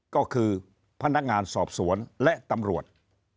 ก็คือพนักงานสอบสวนและตำรวจ